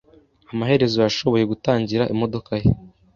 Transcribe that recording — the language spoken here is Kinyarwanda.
amaherezo yashoboye gutangira imodoka ye.